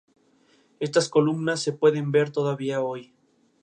Come principalmente gambas y otros invertebrados bentónicos.